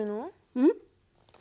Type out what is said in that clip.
うん？